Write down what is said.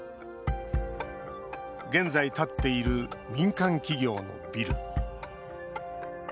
現在建っている民間企業のビル。